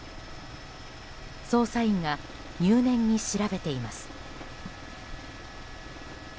捜査員が入念に調べています。